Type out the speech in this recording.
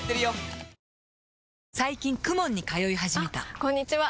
あこんにちは！